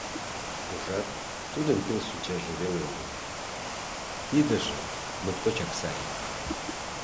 Ужат, тудын пел шинчаже веле уло, тидыже моткочак сай.